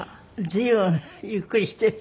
随分ゆっくりしている。